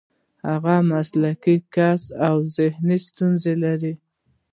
هغه مسلکي کس و او ذهني ستونزه یې لرله